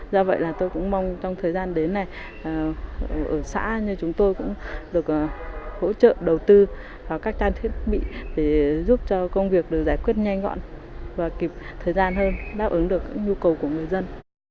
do vậy là tôi cũng mong trong thời gian đến này ở xã như chúng tôi cũng được hỗ trợ đầu tư vào các trang thiết bị để giúp cho công việc được giải quyết nhanh gọn và kịp thời gian hơn đáp ứng được nhu cầu của người dân